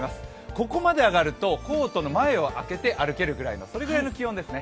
ここまで上がるとコートの前を開けて歩けるくらいの気温ですね。